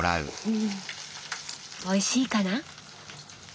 おいしいかな？